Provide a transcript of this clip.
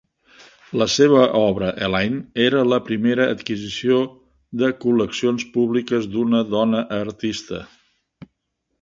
La seva obra, "Elaine", era la primera adquisició de col·leccions públiques d'una dona artista.